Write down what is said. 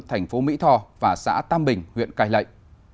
thành phố mỹ thò và xã tam bình huyện cài lệnh